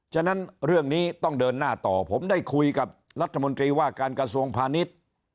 ฉะนั้นเรื่องนี้ต้องเดินหน้าต่อผมได้คุยกับรัฐมนตรีว่าการกระทรวงพาณิชย์